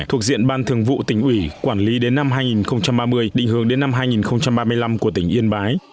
thuộc diện ban thường vụ tỉnh ủy quản lý đến năm hai nghìn ba mươi định hướng đến năm hai nghìn ba mươi năm của tỉnh yên bái